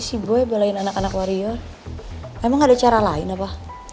masih sih boy balain anak anak warrior emang ada cara lain apa